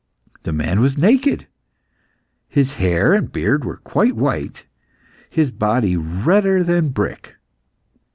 The man was naked; his hair and beard were quite white, and his body redder than brick.